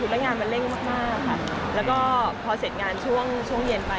และตอนเราเสร็จงานตอนเย็นไป